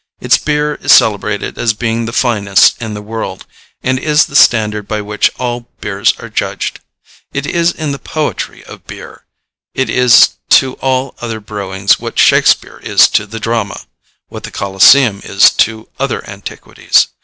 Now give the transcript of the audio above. Its beer is celebrated as being the finest in the world, and is the standard by which all other beers are judged. It is the poetry of beer; it is to all other brewings what Shakespeare is to the drama; what the Coliseum is to other antiquities.